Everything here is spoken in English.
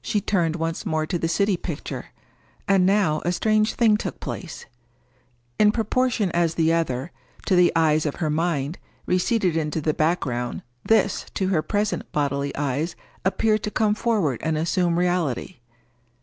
She turned once more to the city picture. And now a strange thing took place. In proportion as the other, to the eyes of her mind, receded into the background, this, to her present bodily eyes, appeared to come forward and assume reality.